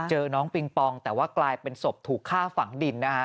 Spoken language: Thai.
น้องปิงปองแต่ว่ากลายเป็นศพถูกฆ่าฝังดินนะฮะ